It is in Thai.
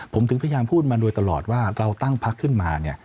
ผมถึงพยายามพูดมาโดยตลอดว่าเราตั้งพักขึ้นมา